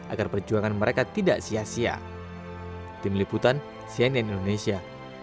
agar perjuangan mereka tidak sia sia